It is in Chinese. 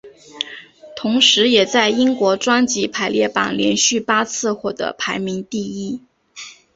同时也在英国专辑排行榜连续八次获得排名第一。